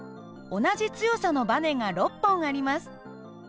同じ強さのばねが６本あります。